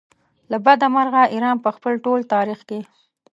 له بده مرغه ایران په خپل ټول تاریخ کې.